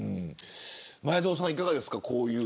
前園さん、いかがですか。